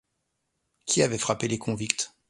Qui avait frappé les convicts